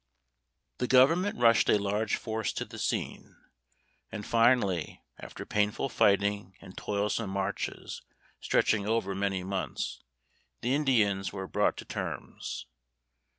The government rushed a large force to the scene, and finally, after painful fighting and toilsome marches stretching over many months, the Indians were brought to terms.